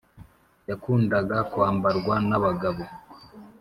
yakundaga kwambarwa n’abagabo.